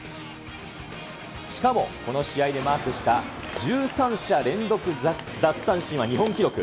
しかも、この試合でマークした、１３者連続奪三振は日本記録。